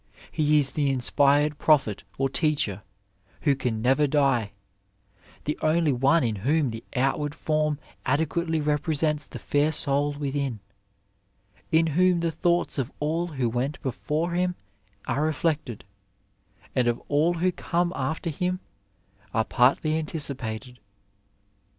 He is the inspired prophet or teacher who can never die, the only one in whom the out ward form adequately represents the fair soul within ; in whom the thoughts of all who went before him are reflected and of all who come after him are partly anticipated.